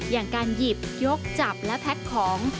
อย่างการหยิบยกจับและแพ็คของ